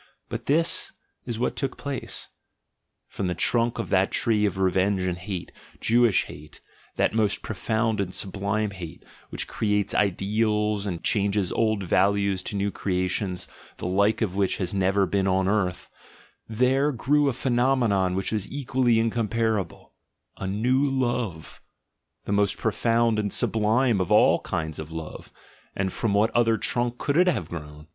But this is what took place: from the trunk of that tree of revenge and hate, Jewish hate, — that most profound and sublime hate, which creates ideals and changes old values to new crea tions, the like of which has never been on earth, — there grew a phenomenon which was equally incomparable, a new love, the most profound and sublime of all kinds of ] ove; — and from what other trunk could it have grown?